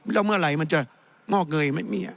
แล้วเมื่อไหร่มันจะงอกเงย